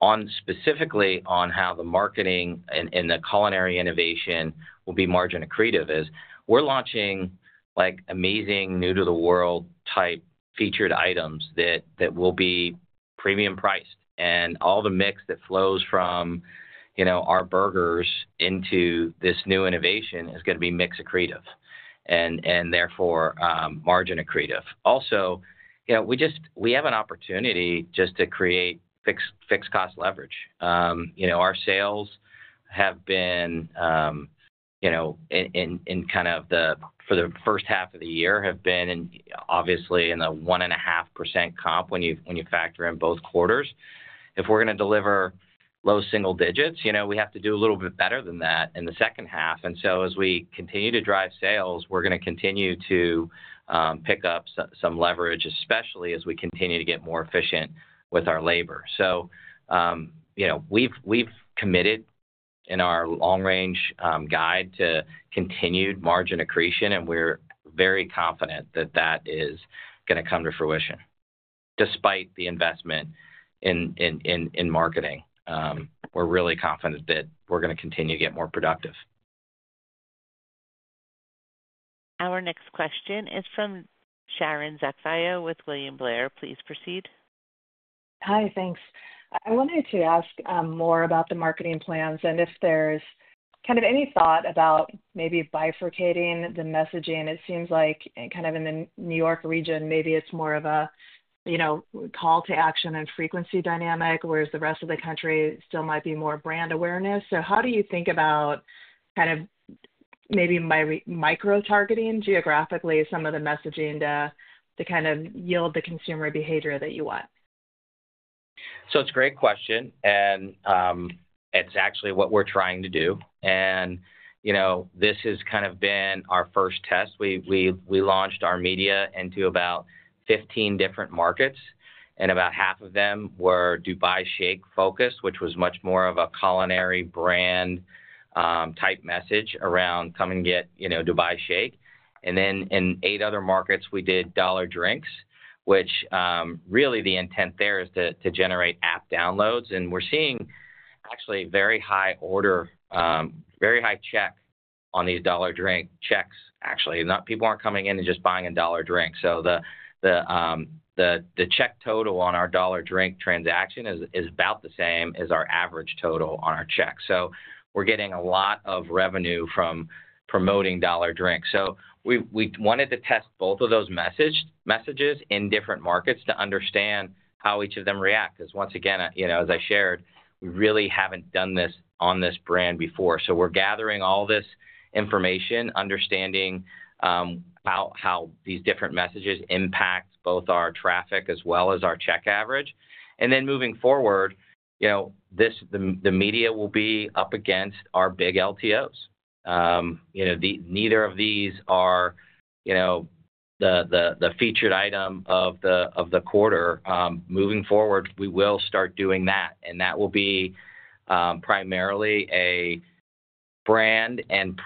[SPEAKER 3] On specifically on how the marketing and the culinary innovation will be margin accretive is we're launching like amazing new to the world type featured items that that will be premium price and all the mix that flows from our burgers into this new innovation is going to be mix accretive and therefore margin accretive. Also, we just we have an opportunity just to create fixed fixed cost leverage. Our sales have been in in kind of the for the first half of the year have been in obviously in the one and a half percent comp when you when you factor in both quarters. If we're going to deliver low single digits, we have to do a little bit better than that in the second half. And so as we continue to drive sales, we're going to continue to pick up some leverage, especially as we continue to get more efficient with our labor. So we've committed in our long range guide to continued margin accretion and we're very confident that that is gonna come to fruition despite the investment in marketing. We're really confident that we're going to continue to get more productive.
[SPEAKER 1] Our next question is from Sharon Zackfia with William Blair. Please proceed.
[SPEAKER 8] Hi. Thanks. I wanted to ask, more about the marketing plans and if there's kind of any thought about maybe bifurcating the messaging. It seems like kind of in the New York region maybe it's more of a call to action and frequency dynamic whereas the rest of the country still might be more brand awareness so how do you think about kind of maybe micro targeting geographically some of the messaging to to kind of yield the consumer behavior that you want?
[SPEAKER 3] So it's a great question. And it's actually what we're trying to do. And, you know, this has kind of been our first test. We we we launched our media into about 15 different markets and about half of them were Dubai shake focus, which was much more of a culinary brand type message around come and get Dubai shake. And then in eight other markets, we did dollar drinks, which really the intent there is to to generate app downloads. And we're seeing actually very high order, very high check on these Dollar Drink checks actually. People aren't coming in and just buying a Dollar Drink. So the check total on our Dollar Drink transaction is about the same as our average total on our check. So we're getting a lot of revenue from promoting dollar drink. So we wanted to test both of those messages in different markets to understand how each of them react. As once again, you know, as I shared, we really haven't done this on this brand before. So we're gathering all this information, understanding about how these different messages impact both our traffic as well as our check average. And then moving forward, you know, this the media will be up against our big LTOs. You know, the neither of these are, you know, the the the featured item of the quarter. Moving forward, we will start doing that and that will be primarily a brand and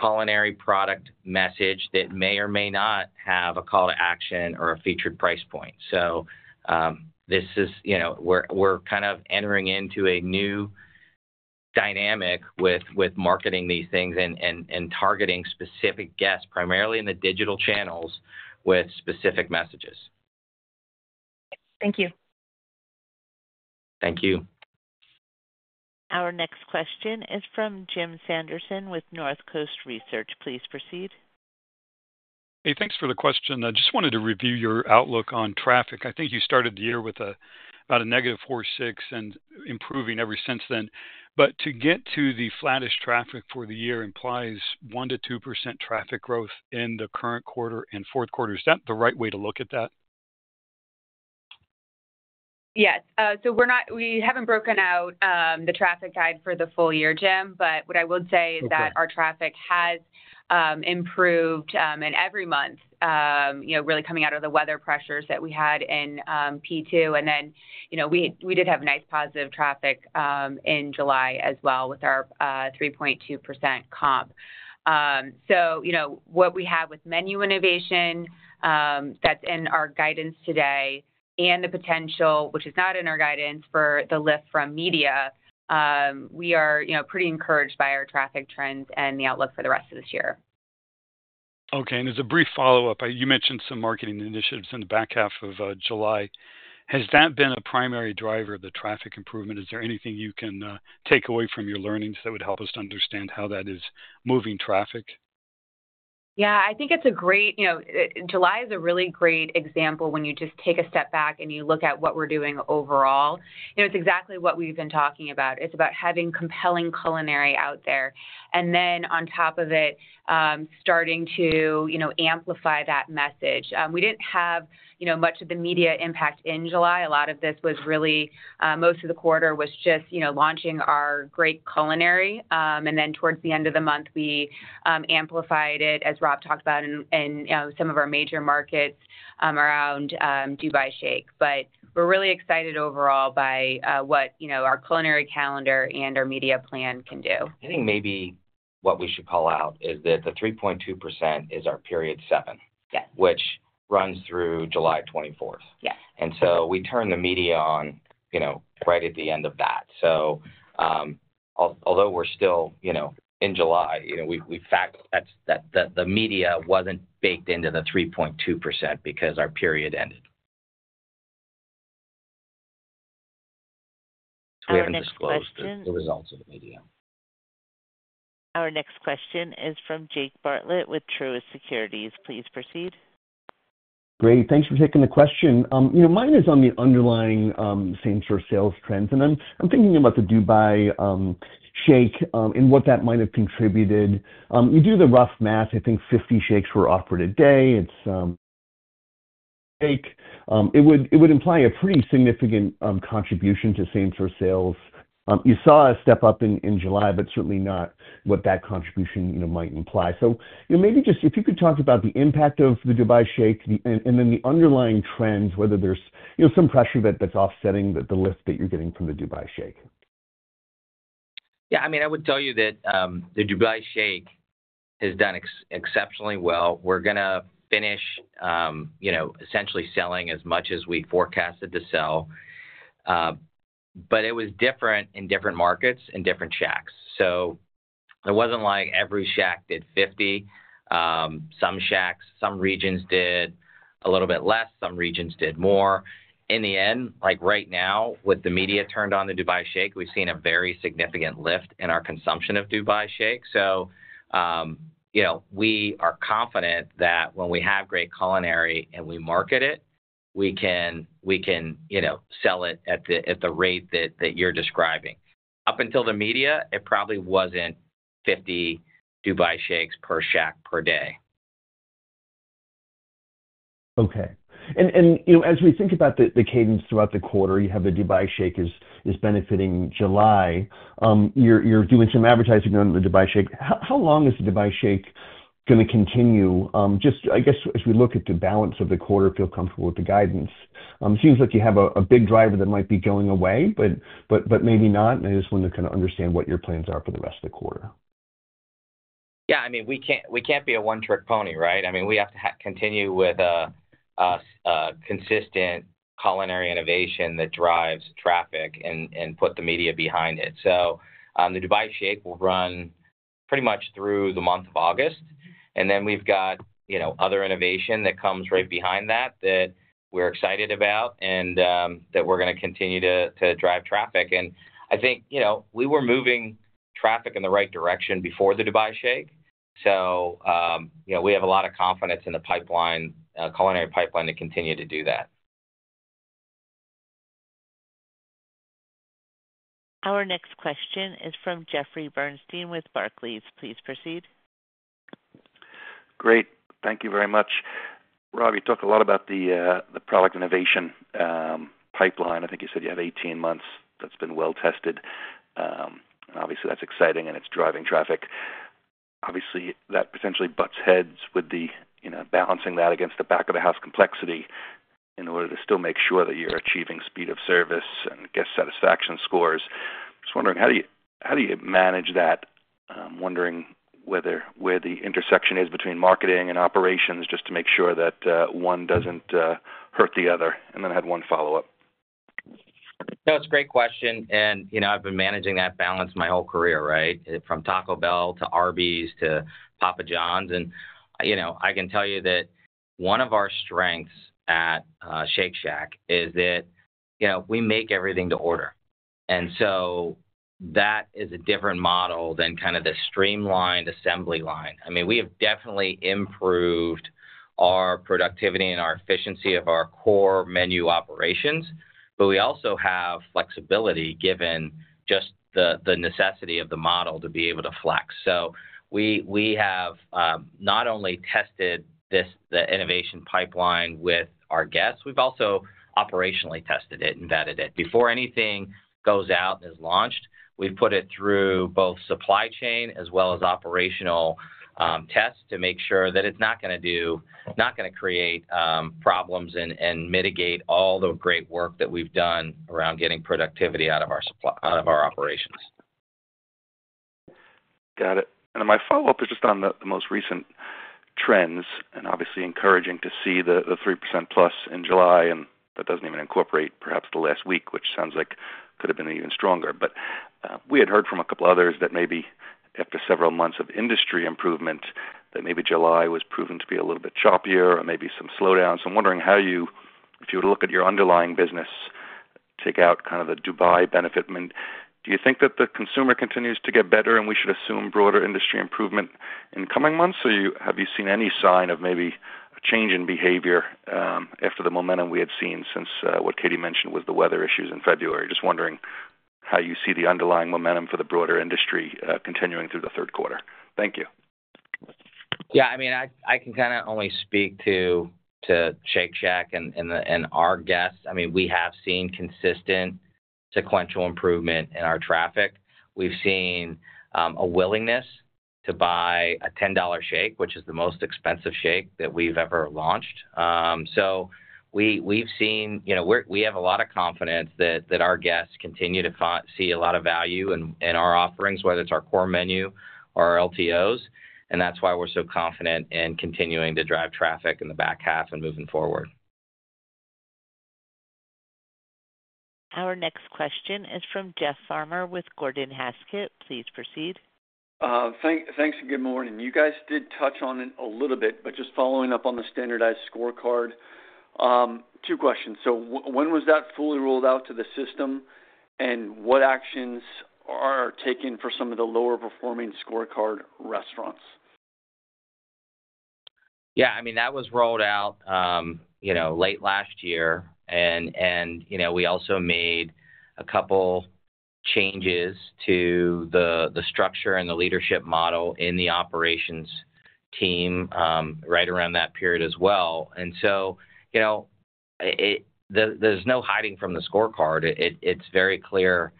[SPEAKER 3] culinary product message that may or may not have a call to action or a featured price point. So this is we're kind of entering into a new dynamic with marketing these things and targeting specific guests primarily in the digital channels with specific messages.
[SPEAKER 8] Thank you.
[SPEAKER 3] Thank you.
[SPEAKER 1] Our next question is from Jim Sanderson with Northcoast Research. Please proceed.
[SPEAKER 9] Hey, thanks for the question. I just wanted to review your outlook on traffic. I think you started the year with about a negative 4.6% and improving ever since then. But to get to the flattish traffic for the year implies 1% to 2% traffic growth in the current quarter and fourth quarter. Is that the right way to look at that?
[SPEAKER 4] Yes. So we're not we haven't broken out the traffic guide for the full year, Jim. But what I would say is that our traffic has improved in every month, you know, really coming out of the weather pressures that we had in p 2. And then, you know, we we did have nice positive traffic in July as well with our 3.2% comp. So, you know, what we have with menu innovation that's in our guidance today and the potential, which is not in our guidance for the lift from media, we are, you know, pretty encouraged by our traffic trends and the outlook for the rest of this year.
[SPEAKER 9] Okay. And as a brief follow-up, you mentioned some marketing initiatives in the back half of July. Has that been a primary driver of the traffic improvement? Is there anything you can take away from your learnings that would help us understand how that is moving traffic?
[SPEAKER 4] Yeah. I think it's a great you know, July is a really great example when you just take a step back and you look at what we're doing overall. You know, it's exactly what we've been talking about. It's about having compelling culinary out there. And then on top of it, starting to amplify that message. We didn't have much of the media impact in July. A lot of this was really most of the quarter was just launching our great culinary. And then towards the end of the month, we amplified it, as Rob talked about, in in some of our major markets around Dubai Shake. But we're really excited overall by what our culinary calendar and our media plan can do.
[SPEAKER 3] I think maybe what we should call out is that the 3.2% is our period seven. Yes. Which runs through July 24. Yes. And so we turn the media on right at the end of that. So although we're still, you know, in July, you know, we we fact that that the media wasn't baked into the 3.2% because our period ended. So we Our haven't disclosed the results of the
[SPEAKER 1] next question is from Jake Bartlett with Truist Securities. Please proceed.
[SPEAKER 10] Great. Thanks for taking the question. You know, mine is on the underlying, same store sales trends, and I'm thinking about the Dubai, shake, and what that might have contributed. You do the rough math, I think 50 shakes were offered a day. It's It would imply a pretty significant, contribution to same store sales. You saw a step up in July, but certainly not what that contribution might imply. So maybe just if you could talk about the impact of the Dubai shake and then the underlying trends, whether there's some pressure that's offsetting the lift that you're getting from the Dubai shake.
[SPEAKER 3] Yeah. I mean, would tell you that the Dubai shake has done ex exceptionally well. We're gonna finish, know, essentially selling as much as we forecasted to sell. But it was different in different markets and different Shacks. So it wasn't like every shack did 50. Some shacks, some regions did a little bit less, some regions did more. In the end, like right now, with the media turned on the Dubai Shake, we've seen a very significant lift in our consumption of Dubai Shake. So, you know, we are confident that when we have great culinary and we market it, we can we can, you know, sell it at the at the rate that that you're describing. Up until the media, it probably wasn't 50 Dubai shakes per shack per day.
[SPEAKER 10] Okay. And and, you know, as we think about the the cadence throughout the quarter, you have the Dubai shake is is benefiting July. You're doing some advertising on the Dubai Shake. How long is the Dubai Shake going to continue? Just I guess as we look at the balance of the quarter, feel comfortable with the guidance. It seems like you have a big driver that might be going away, but but maybe not. And I just wanna kinda understand what your plans are for the rest of the quarter.
[SPEAKER 3] Yeah. I mean, we can't we can't be a one trick pony. Right? I mean, we have to continue with a a consistent culinary innovation that drives traffic and put the media behind it. So the Dubai shape will run pretty much through the month of August. And then we've got other innovation that comes right behind that, that we're excited about and that we're gonna continue to to drive traffic. And I think, you know, we were moving traffic in the right direction before the Dubai Shake. So, you know, we have a lot of confidence in the pipeline culinary pipeline to continue to do that.
[SPEAKER 1] Our next question is from Jeffrey Bernstein with Barclays. Please proceed.
[SPEAKER 11] Great. Thank you very much. Rob, you talked a lot about the product innovation pipeline. I think you said you have eighteen months that's been well tested. And obviously, that's exciting and it's driving traffic. Obviously, that potentially butts heads with the, you know, balancing that against the back of the house complexity in order to still make sure that you're achieving speed of service and guest satisfaction scores. Just wondering how do manage that? I'm wondering where the intersection is between marketing and operations just to make sure that one doesn't hurt the other? And then I had one follow-up.
[SPEAKER 3] That's a great question. And, you know, I've been managing that balance my whole career, right, from Taco Bell to Arby's to Papa John's. And, you know, I can tell you that one of our strengths at Shake Shack is that, you know, we make everything to order. And so that is a different model than kind of the streamlined assembly line. I mean we have definitely improved our productivity and our efficiency of our core menu operations, but we also have flexibility given just the necessity of the model to be able to flex. So we have not only tested this, the innovation pipeline with our guests, we've also operationally tested it and vetted it. Before anything goes out and is launched, we've put it through both supply chain as well as operational tests to make sure that it's not gonna do not gonna create problems and and mitigate all the great work that we've done around getting productivity out of our supply out of our operations.
[SPEAKER 11] Got it. And then my follow-up is just on the the most recent trends, and obviously encouraging to see the the 3% plus in July, and that doesn't even incorporate perhaps the last week, which sounds like could have been even stronger. But we had heard from a couple of others that maybe after several months of industry improvement that maybe July was proven to be a little bit choppier or maybe some slowdown. So I'm wondering how you, if you were to look at your underlying business, take out kind of the Dubai benefit. You think that the consumer continues to get better and we should assume broader industry improvement in coming months? Or have you seen any sign of maybe a change in behavior after the momentum we have seen since what Katie mentioned was the weather issues in February. Just wondering how you see the underlying momentum for the broader industry continuing through the third quarter. Thank you.
[SPEAKER 3] Yeah, I mean, can kinda only speak to Shake Shack and and and our guests. I mean, we have seen consistent sequential improvement in our traffic. We've seen a willingness to buy a $10 shake, which is the most expensive shake that we've ever launched. So we've seen we have a lot of confidence that our guests continue to see a lot of value in our offerings, whether it's our core menu or LTOs. And that's why we're so confident in continuing to drive traffic in the back half and moving forward.
[SPEAKER 1] Our next question is from Jeff Farmer with Gordon Haskett. Please proceed.
[SPEAKER 12] Thanks and good morning. You guys did touch on it a little bit, but just following up on the standardized scorecard. Two questions. When was that fully rolled out to the system and what actions are taken for some of the lower performing scorecard restaurants?
[SPEAKER 3] Yeah, I mean that was rolled out late last year and we also made a couple changes to the structure and the leadership model in the operations operations team right around that period as well. And so there's no hiding from the scorecard. It's very clear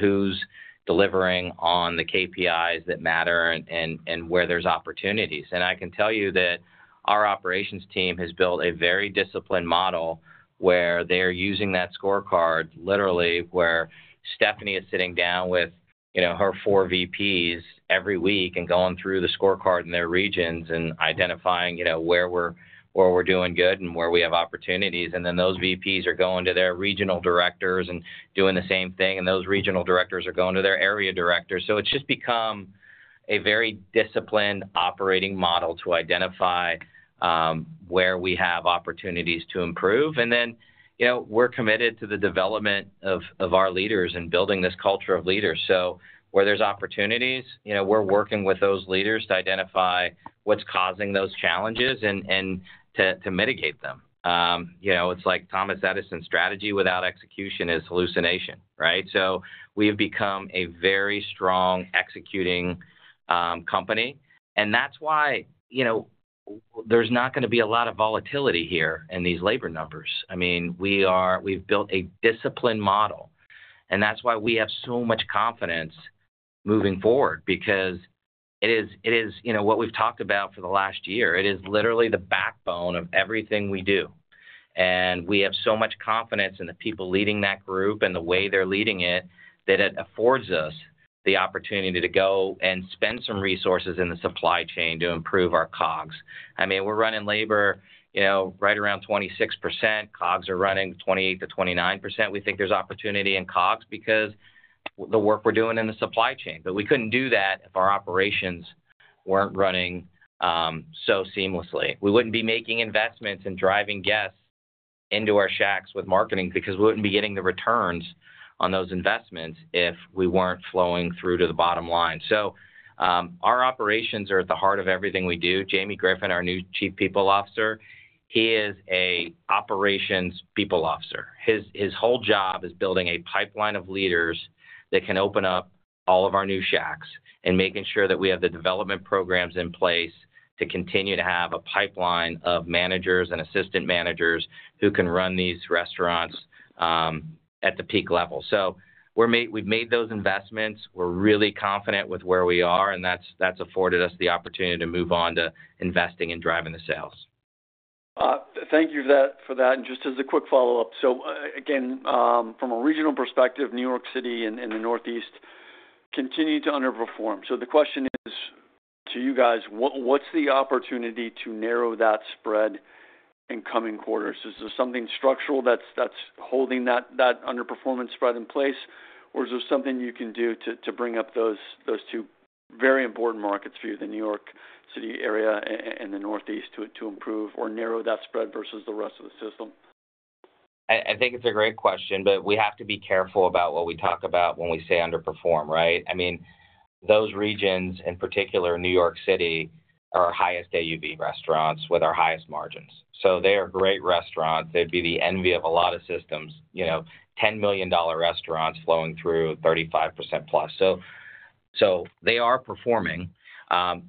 [SPEAKER 3] who's delivering on the KPIs that matter and where there's opportunities. And I can tell you that our operations team has built a very disciplined model where they're using that scorecard literally where Stephanie is sitting down with her four VPs every week and going through the scorecard in their regions and identifying where we're doing good and where we have opportunities. And then those VPs are going to their regional directors and doing the same thing. And those regional directors are going to their area directors. So it's just become a very disciplined operating model to identify where we have opportunities to improve. And then we're committed to the development of our leaders and building this culture of leaders. So where there's opportunities, we're working with those leaders to identify what's causing those challenges and to mitigate them. It's like Thomas Edison's strategy without execution is hallucination. So we've become a very strong executing company and that's why there's not going to be a lot of volatility here in these labor numbers. I mean we've built a disciplined model and that's why we have so much confidence moving forward because it is it is you know, what we've talked about for the last year. It is literally the backbone of everything we do. And we have so much confidence in the people leading that group and the way they're leading it that it affords us the opportunity to go and spend some resources in the supply chain to improve our COGS. I mean, we're running labor right around 26%. COGS are running 28% to 29%. We think there's opportunity in COGS because the work we're doing in the supply chain. But we couldn't do that if our operations weren't running so seamlessly. We wouldn't be making investments and driving guests into our Shacks with marketing because we wouldn't be getting the returns on those investments if we weren't flowing through to the bottom line. So our operations are at the heart of everything we do. Jamie Griffin, our new chief people officer, he is a operations people officer. His his whole job is building a pipeline of leaders that can open up all of our new Shacks and making sure that we have the development programs in place to continue to have a pipeline of managers and assistant managers who can run these restaurants at the peak level. So we've made those investments. We're really confident with where we are and that's afforded us the opportunity to move on to investing and driving the sales.
[SPEAKER 12] Thank you for that. Just as a quick follow-up, from a regional perspective, New York City and the Northeast continue to underperform. So the question is to you guys, what's the opportunity to narrow that spread in coming quarters? Is there something structural that's holding that underperformance spread in place, or is there something you can do to bring up those two very important markets for you, the New York City area and the Northeast, to improve or narrow that spread versus the rest of the system?
[SPEAKER 3] I think it's a great question but we have to be careful about what we talk about when we say underperform, right? I mean those regions in particular New York City are our highest AUB restaurants with our highest margins. So they are great restaurants. They'd be the envy of a lot of systems, you know, $10,000,000 restaurants flowing through 35% plus. So so they are performing.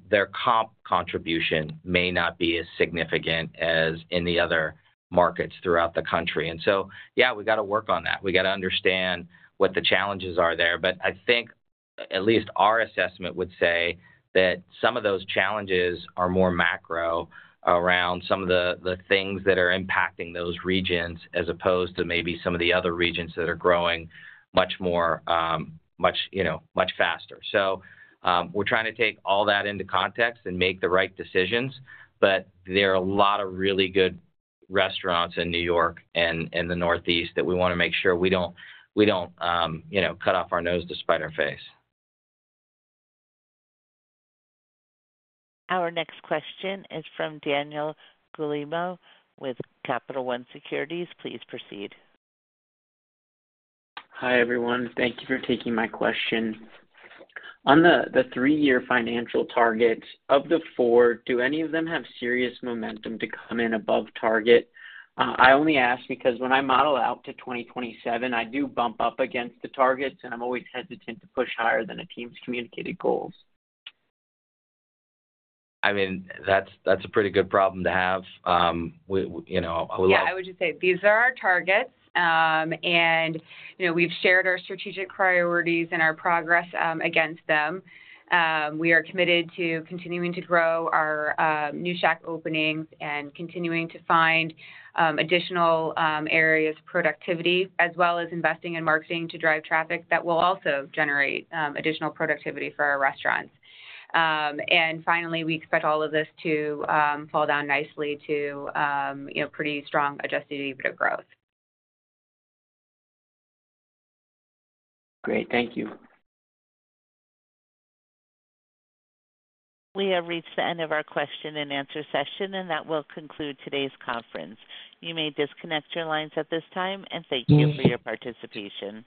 [SPEAKER 3] Their comp contribution may not be as significant as in the other markets throughout the country. And so, yeah, we've got to work on that. We've to understand what the challenges are there. But I think at least our assessment would say that some of those challenges are more macro around some of the things that are impacting those regions as opposed to maybe some of the other regions that are growing much more, much faster. So we're trying to take all that into context and make the right decisions, but there are a lot of really good restaurants in New York and in the Northeast that we wanna make sure we don't we don't, you know, cut off our nose to spite our face.
[SPEAKER 1] Our next question is from Daniel Guilherme with Capital One Securities. Please proceed.
[SPEAKER 13] Hi everyone. Thank you for taking my question. On the three year financial targets, of the four, do any of them have serious momentum to come in above target? I only ask because when I model out to 2027, I do bump up against the targets and I'm always hesitant to push higher than a team's communicated goals.
[SPEAKER 3] I mean, that's a pretty good problem to have.
[SPEAKER 4] Yeah, would just say these are our targets. And we've shared our strategic priorities and our progress against them. We are committed to continuing to grow our new Shack openings and continuing to find additional areas productivity, as well as investing in marketing to drive traffic that will also generate additional productivity for our restaurants. And finally, we expect all of this to fall down nicely to pretty strong adjusted EBITDA growth.
[SPEAKER 13] Great, thank you.
[SPEAKER 1] We have reached the end of our question and answer session and that will conclude today's conference. You may disconnect your lines at this time and thank you for your participation.